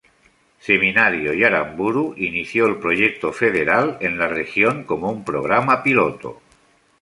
Seminario y Aramburu inició el proyecto federal en la región como un programa piloto.